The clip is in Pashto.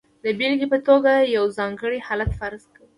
د بېلګې په توګه یو ځانګړی حالت فرض کوو.